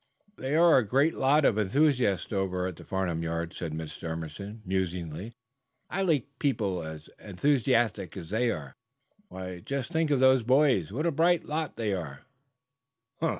"They are a great lot of enthusiasts over at the Farnum yard," said Mr. Emerson, musingly. "I like people as enthusiastic as they are. Why, just think of those boys; what a bright lot they are!"